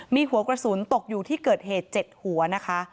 มีหัวกระสุนตกอยู่ที่เกิดเหตุ๗หัวนะคะ